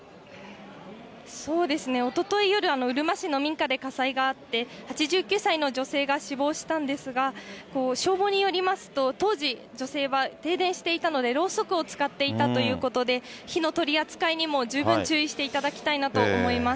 そうですね、おととい夜、うるま市の民家で火災があって、８９歳の女性が死亡したんですが、消防によりますと、当時、女性は、停電していたのでろうそくを使っていたということで、火の取り扱いにも十分注意していただきたいなと思います。